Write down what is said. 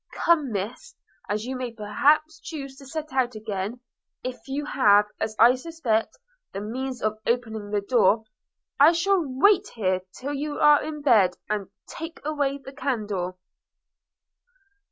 Come, Miss, as you may perhaps choose to set out again – if you have, as I suspect, the means of opening the door – I shall wait here till you are in bed, and take away the candle.'